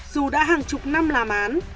dù đã hàng chục năm làm án